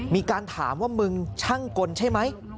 มีการถามว่ามึงช่างกลใช่ไหม